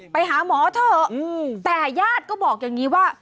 ไปหาหมอเถอะแต่ญาติก็บอกอย่างนี้ว่า